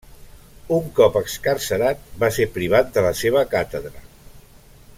Un cop excarcerat va ser privat de la seva càtedra.